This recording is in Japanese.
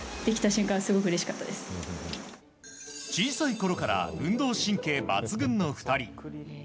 小さいころから運動神経抜群の２人。